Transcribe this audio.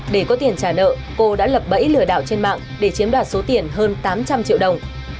để có tiền trả nợ cô đã lập bẫy lừa đảo trên mạng để chiếm đoạt số tiền hơn tám trăm linh triệu đồng